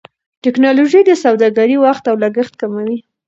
ټکنالوژي د سوداګرۍ وخت او لګښت کموي.